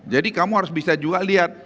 jadi kamu harus bisa juga lihat